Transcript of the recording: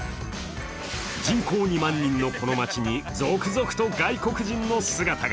人口２万人のこの町に続々と外国人の姿が。